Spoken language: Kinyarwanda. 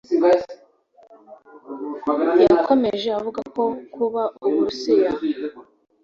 yakomeje avuga ko kuba Uburusiya